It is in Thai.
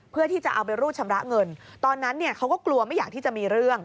เพื่อที่จะเอาไปรูดชำระเงินตอนนั้นเนี่ยเขาก็กลัวไม่อยากที่จะมีเรื่อง